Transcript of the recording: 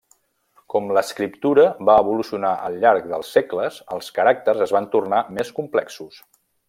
Com l'escriptura va evolucionar al llarg dels segles, els caràcters es van tornar més complexos.